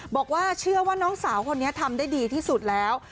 บอกว่าเชื่อว่าน้องสาวคนนี้ทำได้ดีที่สุดแล้ว